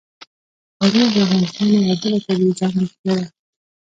ښارونه د افغانستان یوه بله طبیعي ځانګړتیا ده.